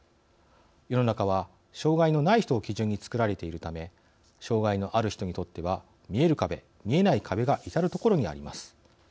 世の中は障害のない人を基準に作られているため障害のある人にとっては見える壁・見えない壁が至る所にあります。